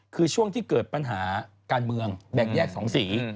คือช่วงที่เกิดปัญหาการเมืองแบ่งแยกสองสี